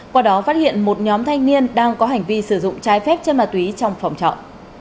qua đó phát hiện một nhóm thanh niên đang có hành vi sử dụng trái phép trên ma túy trong phòng trọ